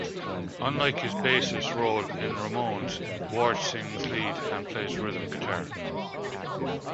Unlike his bassist role in Ramones, Ward sings lead and plays rhythm guitar.